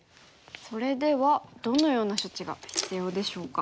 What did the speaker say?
それではどのような処置が必要でしょうか。